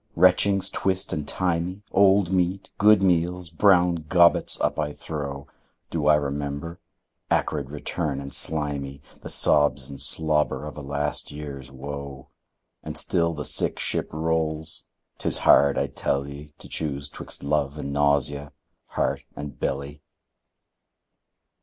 Retchings twist and tie me, Old meat, good meals, brown gobbets, up I throw. Do I remember? Acrid return and slimy, The sobs and slobber of a last years woe. And still the sick ship rolls. 'Tis hard, I tell ye, To choose 'twixt love and nausea, heart and belly.